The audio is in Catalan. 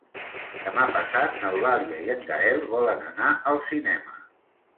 Demà passat n'Eulàlia i en Gaël volen anar al cinema.